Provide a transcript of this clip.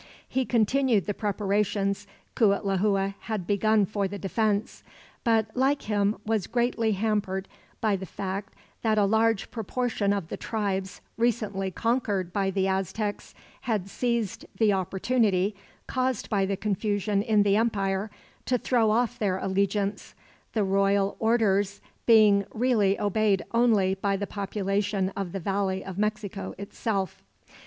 He continued the preparations Cuitlahua had begun for the defense; but, like him, was greatly hampered by the fact that a large proportion of the tribes recently conquered by the Aztecs had seized the opportunity, caused by the confusion in the empire, to throw off their allegiance; the royal orders being really obeyed only by the population of the Valley of Mexico, itself.